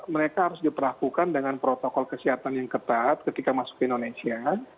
mereka harus diperlakukan dengan protokol kesehatan yang ketat ketika masuk ke indonesia